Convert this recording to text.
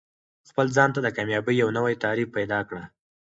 خپل ځان ته د کامیابۍ یو نوی تعریف پیدا کړه.